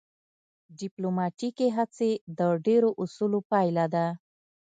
ډیپلوماتیکې هڅې د ډیرو اصولو پایله ده